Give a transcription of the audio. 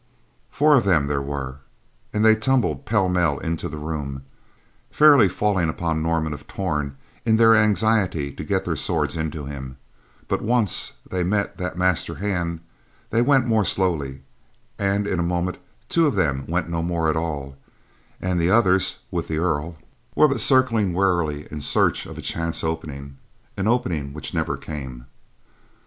Four of them there were, and they tumbled pell mell into the room, fairly falling upon Norman of Torn in their anxiety to get their swords into him; but once they met that master hand, they went more slowly, and in a moment, two of them went no more at all, and the others, with the Earl, were but circling warily in search of a chance opening—an opening which never came.